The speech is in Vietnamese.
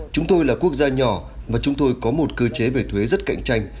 chúng tôi là quốc gia nhỏ mà chúng tôi có một cơ chế về thuế rất cạnh tranh